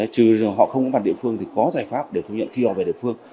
trừ họ không có bản địa phương thì có giải pháp để thu nhận khi họ về địa phương